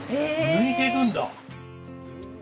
抜いていくんだ。